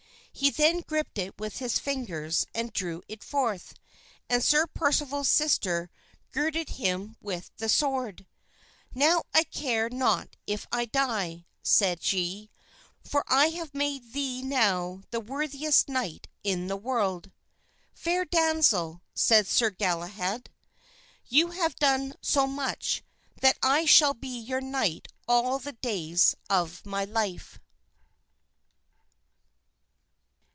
He then gripped it with his fingers and drew it forth, and Sir Percival's sister girded him with the sword. "Now I care not if I die," said she, "for I have made thee now the worthiest knight in the world." "Fair damsel," said Sir Galahad, "you have done so much, that I shall be your knight all the days of my life."